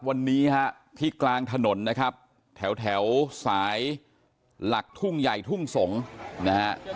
วันนี้ฮะที่กลางถนนนะครับแถวสายหลักทุ่งใหญ่ทุ่งสงศ์นะฮะ